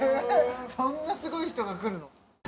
そんなすごい人が来るの？